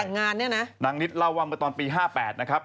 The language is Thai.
นางนิดเล่าว่ามาตอนปี๕๘นะครับ